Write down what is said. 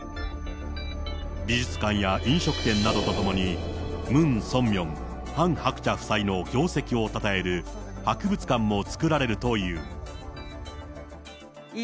美術館や飲食店などとともに、ムン・ソンミョン、ハン・ハクチャ夫妻の業績をたたえる博物館も作られるという。